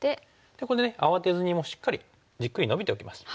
ここで慌てずにもうしっかりじっくりノビておきます。